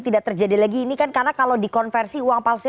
tidak terjadi lagi ini kan karena kalau dikonversi uang palsu